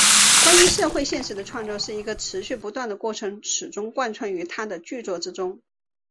关于社会现实的创造是一个持续不断的过程始终贯穿于他的着作之中。